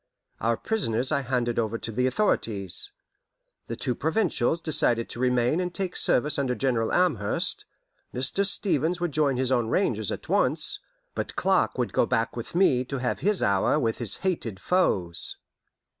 Our prisoners I handed over to the authorities. The two Provincials decided to remain and take service under General Amherst; Mr. Stevens would join his own Rangers at once, but Clark would go back with me to have his hour with his hated foes.